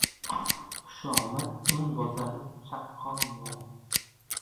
• Xushomad ― eng bozori chaqqon mol.